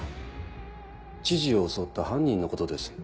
知事を襲った犯人のことです。